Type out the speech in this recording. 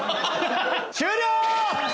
終了！